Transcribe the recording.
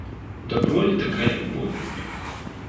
Добро ли такая любовь?